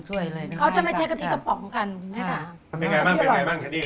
หวานกำลังดี